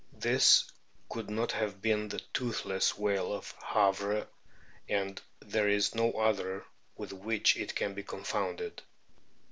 This could not have been the Toothless whale of Havre, and there is no other with which it can be confounded.